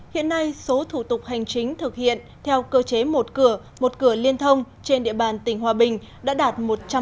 hiện nay số thủ tục hành chính thực hiện theo cơ chế một cửa một cửa liên thông trên địa bàn tỉnh hòa bình đã đạt một trăm linh